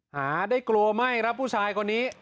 หาได้กลัวไหม้ครับผู้ชายคนนี้